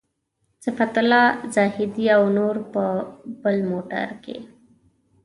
صفت الله زاهدي او نور په بل موټر کې.